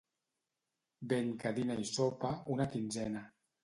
Vent que dina i sopa, una quinzena.